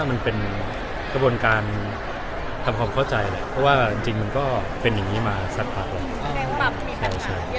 มันเป็นกระบวนการทำความเข้าใจแหละเพราะว่าจริงมันก็เป็นอย่างนี้มาสักพักแล้ว